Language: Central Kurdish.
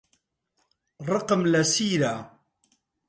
ڕقم لە سیرە.